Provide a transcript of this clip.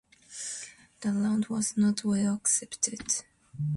The round was not well accepted.